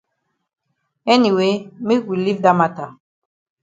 Anyway make we leave dat mata.